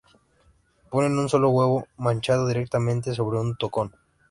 Ponen un solo huevo manchado, directamente sobre un tocón.